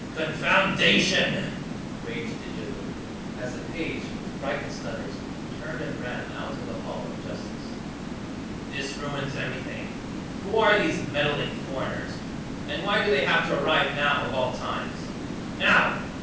"Confoundation!" raged Didjabo as the page with frightened stutters turned and ran out of the Hall of Justice. "This ruins everything. Who are these meddling foreigners? And why do they have to arrive now of all times? NOW!